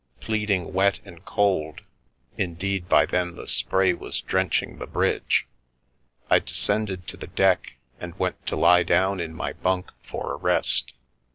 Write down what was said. Pleading wet and cold — indeed by then the spray was drenching the bridge — I descended to the deck and went to lie down in my bunk for a rest.